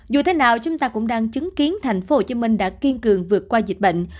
dù thế nào chúng ta cũng đang chứng kiến thành phố hồ chí minh đã kiên cường vượt qua dịch bệnh